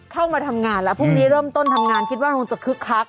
เข้ามาทำงานแล้วพรุ่งนี้เริ่มต้นทำงานคิดว่าคงจะคึกคัก